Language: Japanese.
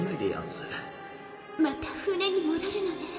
すまた船に戻るのね